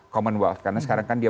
commonwealth karena sekarang kan dia